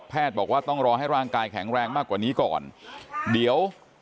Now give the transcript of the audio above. บอกว่าต้องรอให้ร่างกายแข็งแรงมากกว่านี้ก่อนเดี๋ยว